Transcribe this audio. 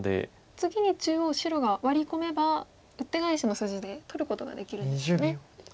次に中央白がワリ込めばウッテガエシの筋で取ることができるんですね。